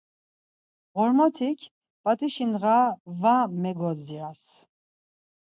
Ğormotik p̌aṫişi ndğa va megodziras.